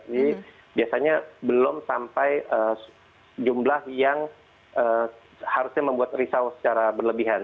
jadi biasanya belum sampai jumlah yang harusnya membuat risau secara berlebihan